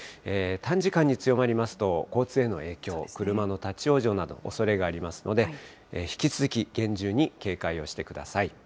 短時間に強まりますと、交通への影響、車の立往生など、おそれがありますので、引き続き、厳重に警戒をしてください。